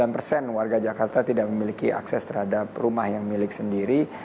sembilan persen warga jakarta tidak memiliki akses terhadap rumah yang milik sendiri